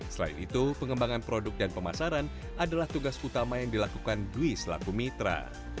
selain itu pengembangan produk dan pemasaran adalah tugas utama yang dilakukan dwi selaku mitra